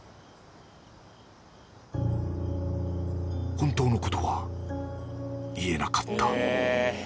［本当のことは言えなかった］